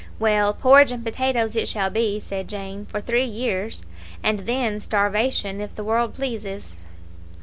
"Well, porridge and potatoes it shall be," said Jane, "for three years, and then starvation, if the world pleases."